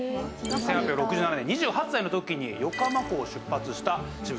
１８６７年２８歳の時に横浜港を出発した渋沢栄一。